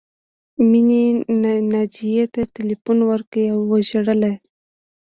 مینې ناجیې ته ټیلیفون وکړ او وژړل